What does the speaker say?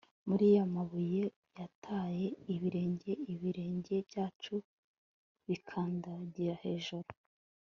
muri aya mabuye yataye ibirenge ibirenge byacu bikandagira hejuru